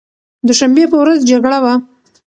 دوشنبې په ورځ جګړه وه.